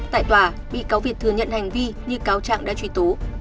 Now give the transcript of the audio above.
tại tòa bị cáo việt thừa nhận hành vi như cáo trạng đã truy tố